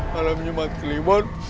malam jumat kelimun